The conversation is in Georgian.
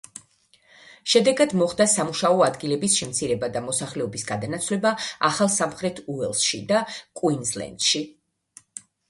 შედეგად მოხდა სამუშაო ადგილების შემცირება და მოსახლეობის გადანაცვლება ახალ სამხრეთ უელსში და კუინზლენდში.